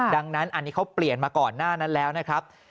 ดังนั้นอันนี้เขาเปลี่ยนมาก่อนหน้านั้นแล้วนะครับ